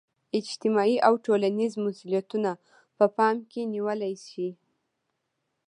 اجتماعي او ټولنیز مسولیتونه په پام کې نیول شي.